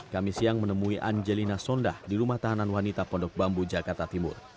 kami siang menemui angelina sondah di rumah tahanan wanita pondok bambu jakarta timur